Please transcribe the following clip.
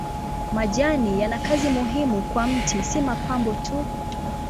Majani yana kazi muhimu kwa mti si mapambo tu.